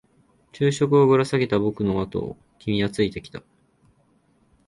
昼食をぶら下げた僕のあとを君はついてきた。